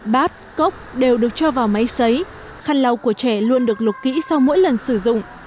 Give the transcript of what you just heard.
bát cốc đều được cho vào máy xấy khăn lau của trẻ luôn được lục kỹ sau mỗi lần sử dụng